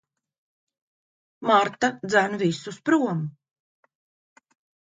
Marta dzen visus prom.